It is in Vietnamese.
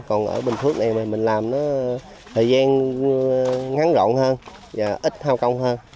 còn ở bình phước này mình làm nó thời gian ngắn rộng hơn ít thao công hơn